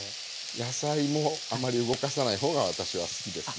野菜もあまり動かさない方が私は好きですね。